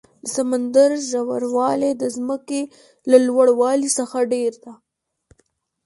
د سمندر ژور والی د ځمکې له لوړ والي څخه ډېر ده.